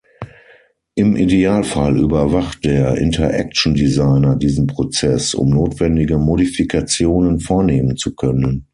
Im Idealfall überwacht der "Interaction Designer" diesen Prozess, um notwendige Modifikationen vornehmen zu können.